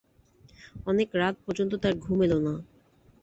অনেক রাত পর্যন্ত তাঁর ঘুম এল না।